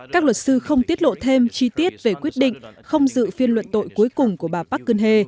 các luật sư không tiết lộ thêm chi tiết về quyết định không dự phiên luận tội cuối cùng của bà park geun hye